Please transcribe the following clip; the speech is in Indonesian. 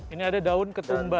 ini ada daun ketumbar